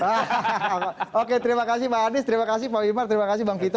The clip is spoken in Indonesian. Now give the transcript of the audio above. hahaha oke terima kasih pak anies terima kasih pak wimar terima kasih bang vito